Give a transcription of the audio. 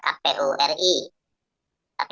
tapi kami tidak mengetahui